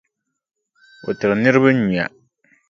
O tiri niriba nyuya.